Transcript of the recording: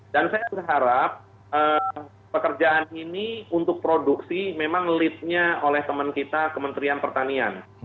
dan saya berharap pekerjaan ini untuk produksi memang lead nya oleh teman kita kementerian pertanian